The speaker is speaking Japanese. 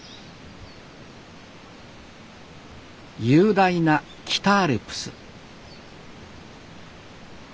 雄大な北アルプス